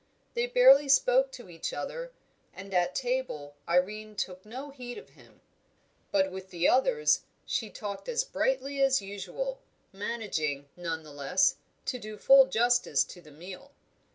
They barely spoke to each other, and at table Irene took no heed of him. But with the others she talked as brightly as usual, managing, none the less, to do full justice to the meal.